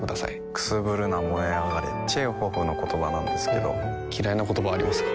くすぶるな燃え上がれチェーホフの言葉なんですけど嫌いな言葉はありますか？